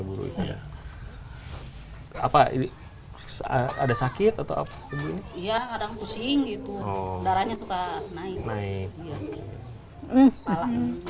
burungnya apa ini ada sakit atau apa iya kadang pusing gitu darahnya suka naik